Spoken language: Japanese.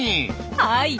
はい。